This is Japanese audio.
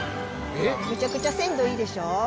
めちゃくちゃ鮮度いいでしょ。